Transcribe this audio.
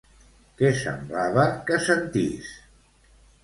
Què semblava que sentís?